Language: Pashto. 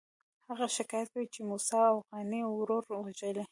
هغه شکایت کوي چې موسی اوغاني ورور وژلی.